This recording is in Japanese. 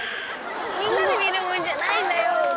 みんなで見るもんじゃないんだよ。